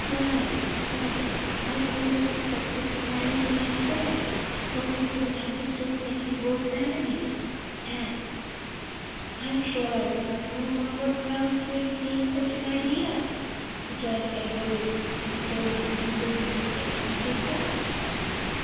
why why, I've always expected to marry her myself; thought it was an understood thing in both families, and " "I am sure I do not know upon what grounds you entertained such an idea," returned Edward in a tone of mingled indignation and disgust.